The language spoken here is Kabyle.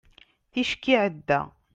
ticki iɛedda